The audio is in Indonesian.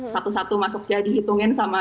satu satu masuknya dihitungin sama